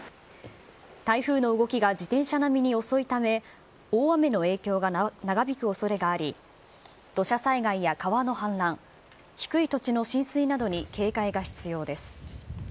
台風の動きが自転車並みに遅いため、大雨の影響が長引くおそれがあり、土砂災害や川の氾濫、低い土地の浸水などに警戒が必要です。